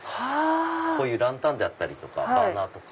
こういうランタンであったりとかバーナーとか。